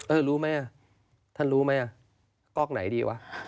รู้ไหมอ่ะท่านรู้ไหมก๊อกไหนดีวะ